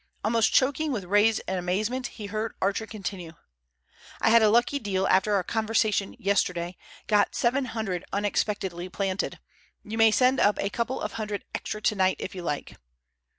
Almost choking with rage and amazement he heard Archer continue: "I had a lucky deal after our conversation yesterday, got seven hundred unexpectedly planted. You may send up a couple of hundred extra tonight if you like."